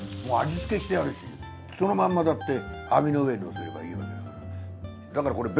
もう味付けしてあるしそのまんまだって網の上乗せればいいわけだから。